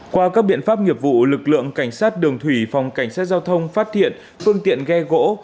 qua các biện pháp nghiệp vụ lực lượng cảnh sát đường thủy phòng cảnh sát giao thông phát hiện phương tiện ghe gỗ